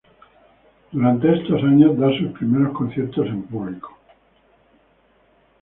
Durante estos años da sus primeros conciertos en público.